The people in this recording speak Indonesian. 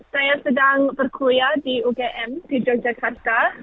saya sedang berkuliah di ugm di yogyakarta